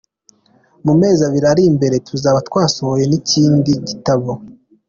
Mu mezi abiri ari imbere tuzaba twasohoye n’ikindi gitabo.